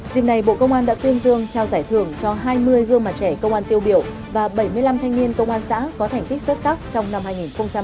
dịp này bộ công an đã tuyên dương trao giải thưởng cho hai mươi gương mặt trẻ công an tiêu biểu và bảy mươi năm thanh niên công an xã có thành tích xuất sắc trong năm hai nghìn hai mươi ba